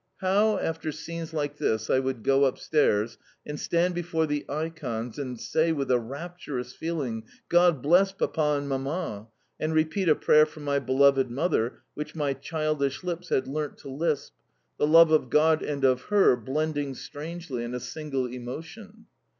How, after scenes like this, I would go upstairs, and stand before the ikons, and say with a rapturous feeling, "God bless Papa and Mamma!" and repeat a prayer for my beloved mother which my childish lips had learnt to lisp the love of God and of her blending strangely in a single emotion!